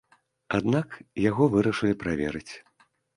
Аднак яго вырашылі праверыць.